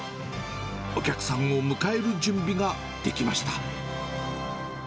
お客さんを迎える準備ができました。